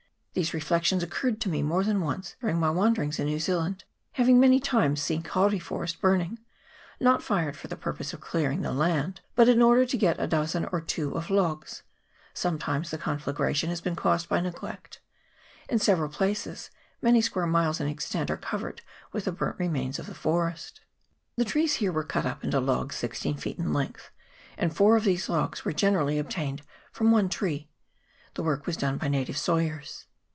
These reflections occurred to me more than once during my wanderings in New Zealand, having many times seen kauri forest burning, not fired for the purpose of clearing the land, but in order to get a dozen or two of logs : sometimes the conflagration has been caused by neglect : in several places, many square miles in extent are covered with the burnt remains of the forest. The trees here were cut up into logs sixteen feet in length, and four of these logs were generally CHAP. XIV.] ORURU MANGO NUI. 229 obtained from one tree. The work was done by native sawyers.